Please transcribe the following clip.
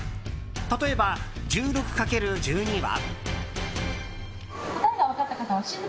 例えば、１６×１２は？